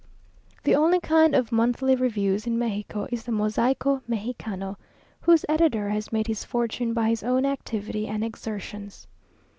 The only kind of monthly review in Mexico is the "Mosaico Megicano," whose editor has made his fortune by his own activity and exertions.